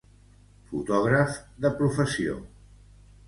Fotògraf de professió.